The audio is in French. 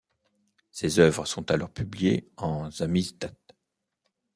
Ses œuvres sont alors publiées en samizdat.